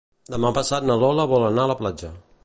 Demà passat na Lola vol anar a la platja.